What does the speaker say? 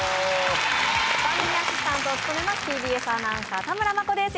番組アシスタントを務めますＴＢＳアナウンサー田村真子です